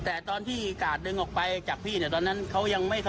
แต่ตอนที่กาดดึงออกไปจากพี่เนี่ยตอนนั้นเขายังไม่